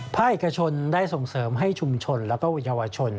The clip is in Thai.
ภาคเอกชนได้ส่งเสริมให้ชุมชนและเยาวชน